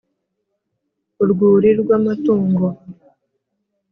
urwuri rw’amatungo ...